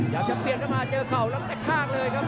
อยากจะเปลี่ยนเข้ามามาเจอเขาแล้วกันสิครับ